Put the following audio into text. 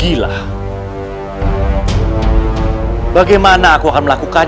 dua ratus dua puluh dua herarse mursary masih dalam kliat kemudian kembali ke krim